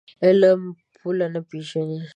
علم پوله نه پېژني.